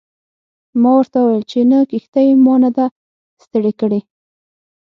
ما ورته وویل چې نه کښتۍ ما نه ده ستړې کړې.